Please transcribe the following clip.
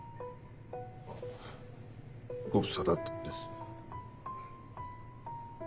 あご無沙汰です。